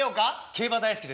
競馬大好きでね